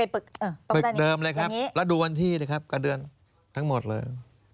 ตึกเดิมเลยครับแล้วดูวันที่นะครับกระเดือนทั้งหมดเลย